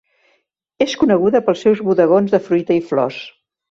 És coneguda pels seus bodegons de fruita i flors.